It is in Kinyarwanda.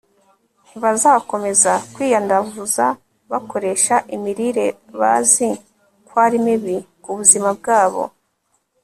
ntibazakomeza kwiyandavuza bakoresha imirire bazi ko ari mibi ku buzima bwabo